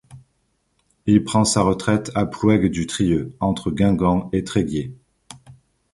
Il prend sa retraite à Plouëc-du-Trieux, entre Guingamp et Tréguier.